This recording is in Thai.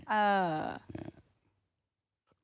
อ่่า